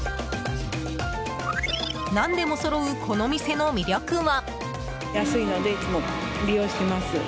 何でもそろう、この店の魅力は。